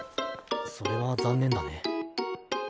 それは残念だね。